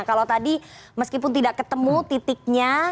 kalau tadi meskipun tidak ketemu titiknya